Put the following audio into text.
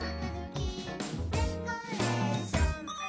「デコレーション」